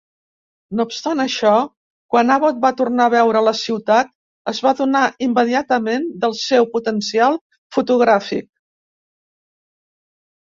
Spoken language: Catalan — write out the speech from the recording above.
No obstant això, quan Abbott va tornar a veure la ciutat, es va adonar immediatament del seu potencial fotogràfic.